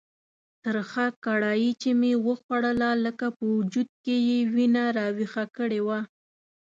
ترخه کړایي چې مې وخوړله لکه په وجود کې یې وینه راویښه کړې وه.